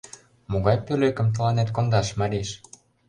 Могай пӧлекым тыланет кондаш, Мариш?